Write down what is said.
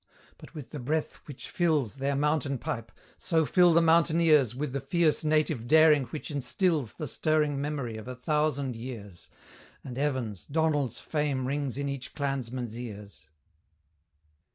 But with the breath which fills Their mountain pipe, so fill the mountaineers With the fierce native daring which instils The stirring memory of a thousand years, And Evan's, Donald's fame rings in each clansman's ears.